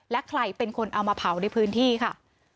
และใครเป็นคนเอามาเผาในพื้นที่ค่ะ